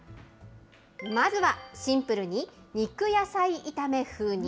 まずはシンプルに肉野菜炒め風に。